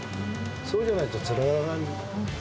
そうじゃないとつながらない。